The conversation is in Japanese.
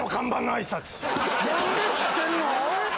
何で知ってんの？